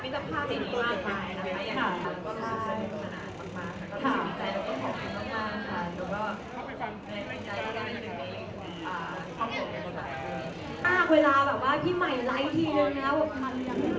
ถ้าอย่างงั้นขั้นแรกค่ะคนเสียพอมืออย่างเย้